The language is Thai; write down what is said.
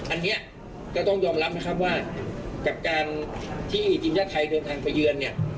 อันนี้ก็ต้องยอมรับนะครับว่ากับการที่ทีมชาติไทยเดินทางไปเยือนเนี่ย